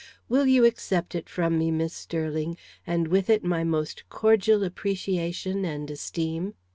Will you accept it from me, Miss Sterling, and with it my most cordial appreciation and esteem?"